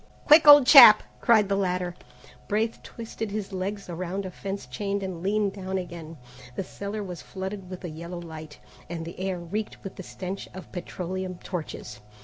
"Quick, old chap!" cried the latter. Braith twisted his legs around a fence chain and leaned down again. The cellar was flooded with a yellow light, and the air reeked with the stench of petroleum torches.